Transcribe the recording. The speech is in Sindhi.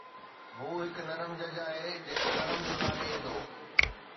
هو هڪ نرم جج آهي جيڪو نرم سزا ڏئي ٿو